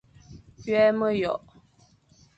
Küa meyokh,